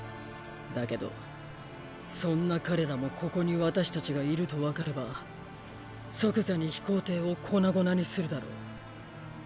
だけどそんな彼らもここに私たちがいるとわかれば即座に飛行艇を粉々にするだろう。